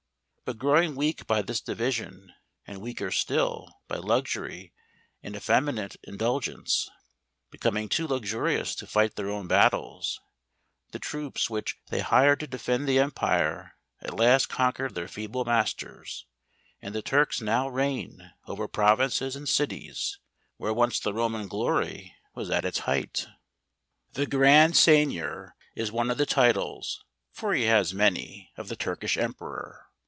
But growing weak by this division, and weaker still by luxury and effeminate indulgence, becoming too luxu¬ rious to fight their own battles; the troops which they hired to defend the empire at last conquered their feeble masters: and the Turks now reign over provinces and cities, where once the Roman glory was at its height. •» HBIH ... I ■'• 4 4 ' M u j ' TURKEY. 37 The grand Seignior is one of the titles (for he has many) of the Turkish Emperor.